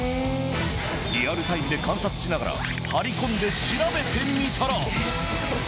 リアルタイムで観察しながら張り込んで調べてみたら。